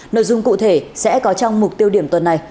nội dung cụ thể sẽ có trong mục tiêu điểm tuần này